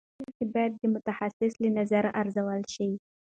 د ناروغ نښې باید د متخصص له نظره ارزول شي.